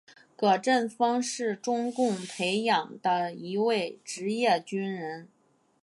葛振峰是中共培养的一位职业军人。